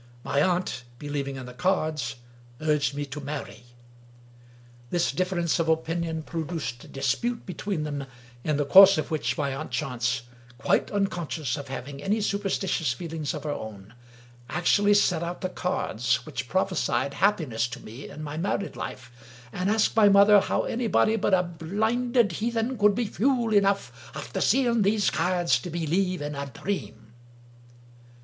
My aunt, believ ing in the cards, urged me to marry. This difference of opinion produced a dispute between them, in the course of which my aunt Chance — quite un conscious of having any superstitious feelings of her own — 246 Wilkie Collins actually set out the cards which prophesied happiness to me in my married life, arid asked my mother how anybody but " a blinded heathen could be fule enough, after seeing those cairds, to believe in a dream!